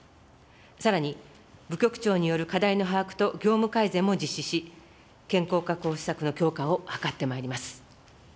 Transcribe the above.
さらに、部局長による課題の把握と業務改善も実施し、健康確保施策の強化を図ってまいります。